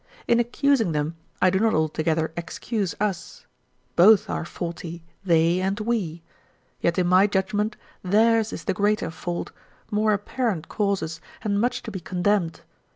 In accusing them, I do not altogether excuse us; both are faulty, they and we: yet in my judgment, theirs is the greater fault, more apparent causes and much to be condemned.